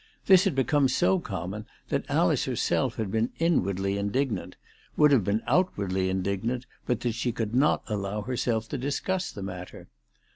This had become so common that Alice herself had been inwardly indignant, would have been outwardly indignant but that she could not allow herself to dis cuss the matter.